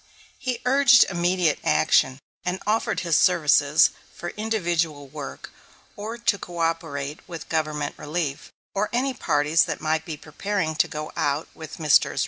He urged immediate action, and offered his services for individual work, or to coöperate with Government relief, or any parties that might be preparing to go out with Messrs.